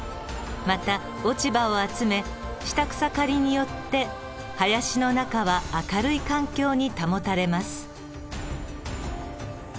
また落ち葉を集め下草刈りによって林の中は明るい環境に保たれます。